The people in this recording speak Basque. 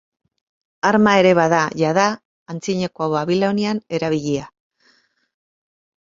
Arma ere bada, jada antzinako Babilonian erabilia.